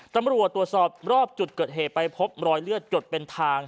ตำรวจตรวจสอบรอบจุดเกิดเหตุไปพบรอยเลือดหยดเป็นทาง